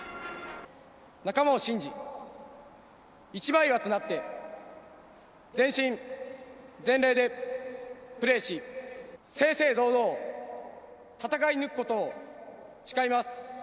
仲間を信じ、一枚岩となって、全身全霊でプレーし、正々堂々戦い抜くことを誓います。